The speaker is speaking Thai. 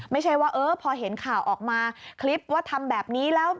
ไม่ใช่ว่าเออพอเห็นข่าวออกมาคลิปว่าทำแบบนี้แล้ว